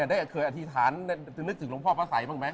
ได้เคยอธิษฐานจะนึกถึงหลวงพ่อพระสัยบ้างไหม